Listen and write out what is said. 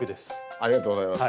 ありがとうございます。